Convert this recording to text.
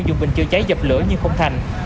dùng bình chữa cháy dập lửa nhưng không thành